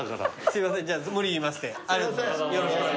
すいません。